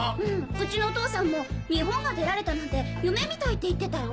ウチのお父さんも日本が出られたなんて夢みたいって言ってたよ。